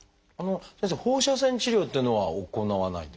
先生放射線治療っていうのは行わないんでしょうか？